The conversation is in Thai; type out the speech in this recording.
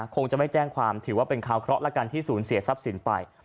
คงจะไม่แจ้งความถือว่าเป็นคราวเคราะห์ละกันที่ศูนย์เสียทรัพย์สินไป